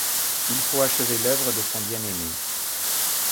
Il faut achever l’œuvre de son bien-aimé.